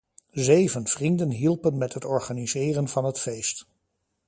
Zeven vrienden hielpen met het organiseren van het feest.